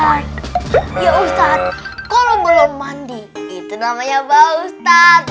ya ustaz kalau belum mandi itu namanya apa ustaz